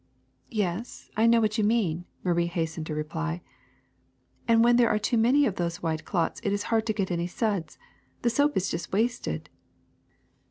"Yes, I know what you mean," Marie hastened to reply; "and when there are too many of those white clots it is hard to get any suds; the soap is just wasted."